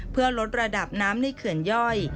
เพื่อลดระดับน้ำในเขื่อนย่อย